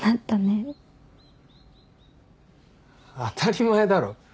当たり前だろ。